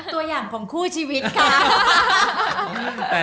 ตัวอย่างของคู่ชีวิตค่ะ